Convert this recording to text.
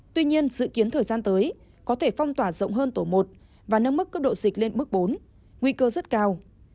tuy nhiên dự kiến thời gian tới có thể phong tỏa rộng hơn tổ một và nâng mức cấp độ dịch lên mức bốn nguy cơ rất cao